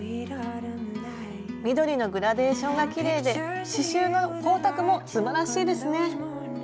緑のグラデーションがきれいで刺しゅうの光沢もすばらしいですね。